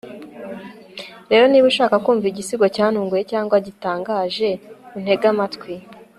rero niba ushaka kumva igisigo cyantunguye cyangwa gitangaje untege amatwi